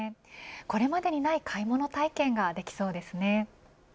これまでにない買い物体験ができそうですね。